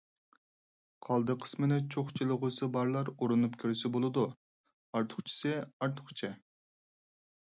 قالدى قىسمىنى چۇخچىلىغۇسى بارلار ئۇرۇنۇپ كۆرسە بولىدۇ. ئارتۇقچىسى ئارتۇقچە.